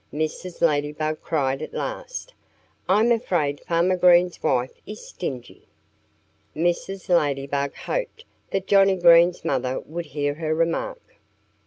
Mrs. Ladybug cried at last. "I'm afraid Farmer Green's wife is stingy." Mrs. Ladybug hoped that Johnnie Green's mother would hear her remark.